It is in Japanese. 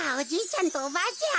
ちゃんとおばあちゃん。